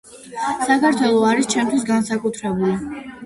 საქართველო არის ჩემთვის განსაკუთრებული